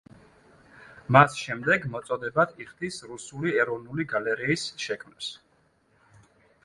მას შემდეგ მოწოდებად იხდის რუსული ეროვნული გალერეის შექმნას.